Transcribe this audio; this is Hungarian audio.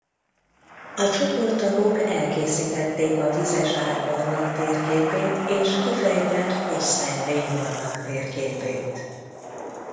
A csoporttagok elkészítették a vizes ág barlangtérképét és kifejtett hossz-szelvény barlangtérképét.